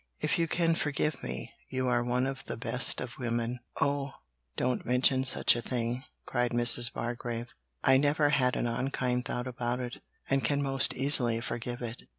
If you can forgive me, you are one of the best of women.' 'Oh! don't mention such a thing,' cried Mrs. Bargrave. 'I never had an unkind thought about it, and can most easily forgive it.'